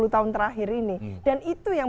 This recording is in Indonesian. dua puluh tahun terakhir ini dan itu yang